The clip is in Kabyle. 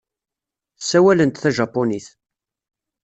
Ssawalent tajapunit.